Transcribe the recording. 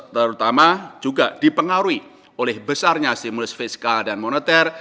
terutama juga dipengaruhi oleh besarnya stimulus fiskal dan moneter